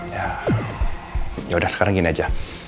ya yaudah sekarang gini aja